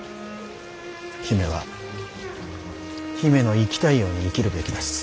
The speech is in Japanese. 姫は姫の生きたいように生きるべきです。